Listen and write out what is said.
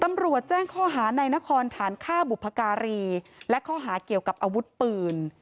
ตำรวจแจ้งข้อหาในนครฐานฆ่าบุพการีและข้อหาเกี่ยวกับอาวุธปืน